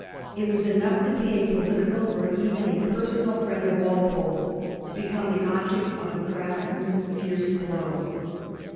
It was enough to be a political or even a personal friend of Walpole to become the object of the Craftsman^ s fierce blows.